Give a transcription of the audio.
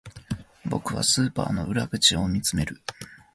僕はスーパーの裏口を見つめる